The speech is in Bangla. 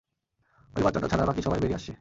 ওই বাচ্চাটা ছাড়া বাকি সবাই বেরিয়ে আসছে!